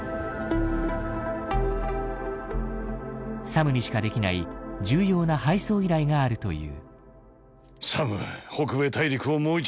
サムにしかできない重要な配送依頼があるという。